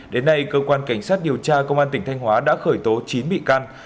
đến nay cơ quan cảnh sát điều tra công an tỉnh thanh hóa đã khởi tố chín bị can